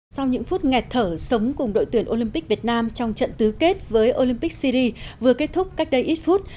sau những phút nghẹt thở sống cùng đội tuyển olympic việt nam trong trận tứ kết với olympic syri vừa kết thúc cách đây ít phút